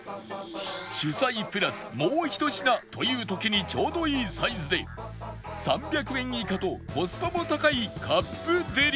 主菜プラスもうひと品という時にちょうどいいサイズで３００円以下とコスパも高いカップデリや